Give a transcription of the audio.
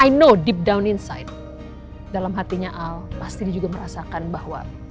i know deep down inside dalam hatinya al pasti juga merasakan bahwa